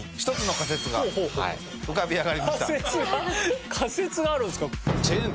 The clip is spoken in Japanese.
仮説が？仮説があるんですか？